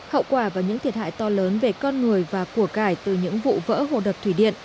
hậu quả và những thiệt hại to lớn về con người và của cải từ những vụ vỡ hồ đập thủy điện